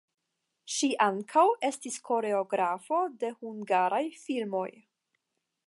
Ŝi ankaŭ estis koreografo de hungaraj filmoj.